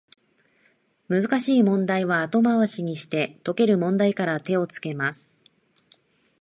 難しい問題は後回しにして、解ける問題から手をつけます